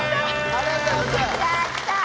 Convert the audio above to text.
ありがとうございます！